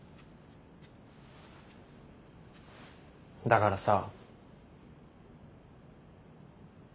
だからさ。